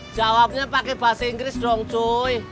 jawabnya pake bahasa inggris dong coy